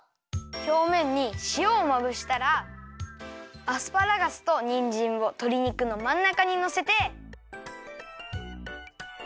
ひょうめんにしおをまぶしたらアスパラガスとにんじんをとり肉のまんなかにのせて。